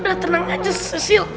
udah tenang aja cecil